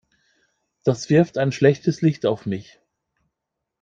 Das wirft ein schlechtes Licht auf mich.